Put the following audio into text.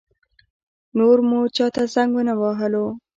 نور مو چا ته زنګ ونه وهلو.